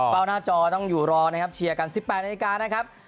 เป้าหน้าจอต้องอยู่รอเชียร์กันสิบแปดนาทีการ